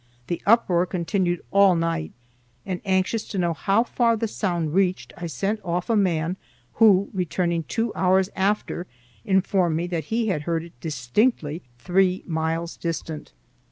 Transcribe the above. The uproar continued all night, and anxious to know how far the sound reached I sent off a man who, returning two hours after, informed me that he had heard it distinctly three miles distant.